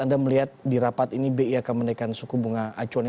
anda melihat di rapat ini bi akan menaikkan suku bunga acuannya